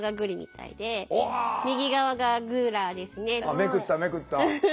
めくっためくった。